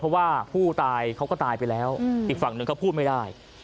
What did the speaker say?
เพราะว่าผู้ตายเขาก็ตายไปแล้วอีกฝั่งหนึ่งก็พูดไม่ได้